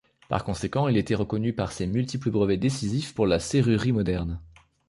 Par conséquent, il était reconnu par ses multiples brevets décisifs pour la serrurerie moderne.